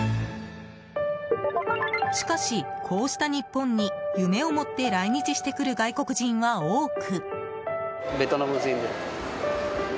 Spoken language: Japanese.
しかし、こうした日本に夢を持って来日してくる外国人は多く。